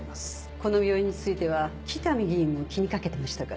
この病院については北見議員も気に掛けてましたから。